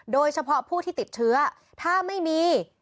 โดยเฉพาะผู้ที่ติดเชื้อถ้าไม่มี